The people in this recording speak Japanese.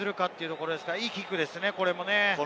これもいいキックですね。